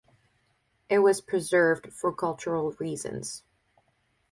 It was preserved for cultural reasons.